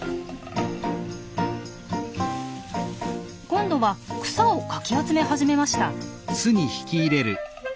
今度は草をかき集め始めました。